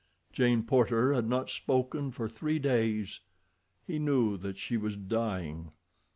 Jane Porter had not spoken for three days. He knew that she was dying.